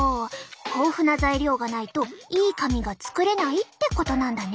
豊富な材料がないといい髪が作れないってことなんだね。